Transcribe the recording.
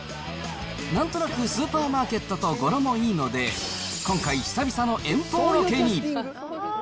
なんとなくスーパーマーケットと語呂もいいので、今回、久々の遠方ロケに。